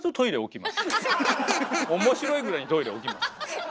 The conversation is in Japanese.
面白いぐらいにトイレ起きます。